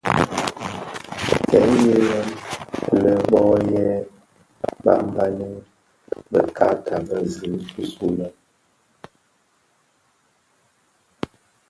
Kè shyeren lè bō yè banbani bë kaata bë zi bisulè.